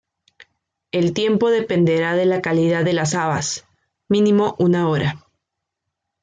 El tiempo dependerá de la calidad de las habas: mínimo, una hora.